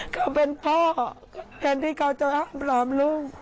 เขาเป็นพ่อแทนที่เขาจะอ้อมล้อมลูก